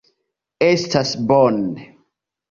Estas bone.